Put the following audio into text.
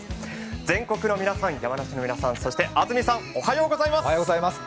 全国の皆さん、山梨の皆さん、そして安住さんおはようございます。